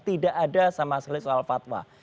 tidak ada sama sekali soal fatwa